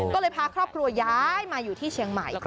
ก็เลยพาครอบครัวย้ายมาอยู่ที่เชียงใหม่